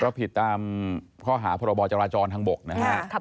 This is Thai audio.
ก็ผิดตามข้อหาพรบจราจรทางบกนะครับ